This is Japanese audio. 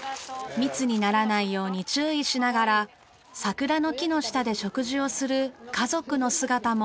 密にならないように注意しながら桜の木の下で食事をする家族の姿も。